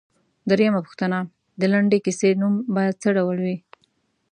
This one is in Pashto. درېمه پوښتنه ـ د لنډې کیسې نوم باید څه ډول وي؟